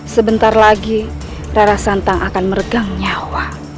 sebentar lagi rara santang akan meregang nyawa